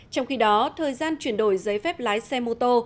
trong khi đó thời gian chuyển đổi giấy phép lái xe mô tô